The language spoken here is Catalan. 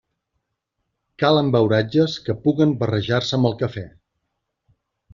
Calen beuratges que puguen barrejar-se amb el café.